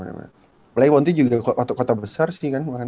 apalagi ponti juga kota besar sih kan